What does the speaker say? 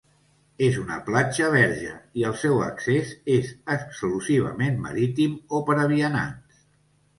És una platja verge i el seu accés és exclusivament marítim o per a vianants.